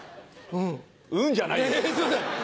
「うん」じゃないよ！